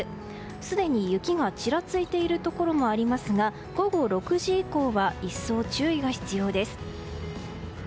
すでに雪がちらついているところもありますが午後６時以降は一層、注意が必要です。